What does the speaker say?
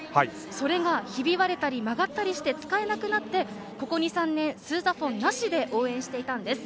それが、ひび割れたり曲がったりして使えなくなってここ２３年スーザフォンなしで応援していたんです。